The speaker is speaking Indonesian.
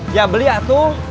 ya beli ya tuh